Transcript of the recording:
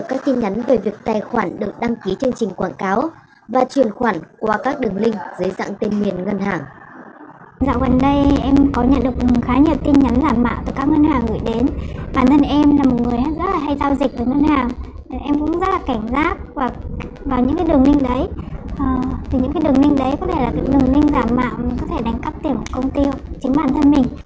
mà có thể đánh cắp tiền của công ty chính bản thân mình